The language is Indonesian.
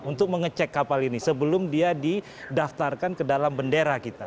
untuk mengecek kapal ini sebelum dia didaftarkan ke dalam bendera kita